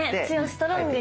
ストロング！